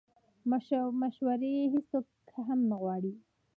مشورې هیڅوک هم نه غواړي